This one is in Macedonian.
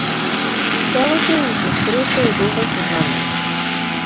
Телото ѝ се стресе од оваа сознание.